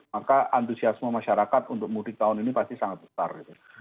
maka antusiasme masyarakat untuk mudik tahun ini pasti sangat besar gitu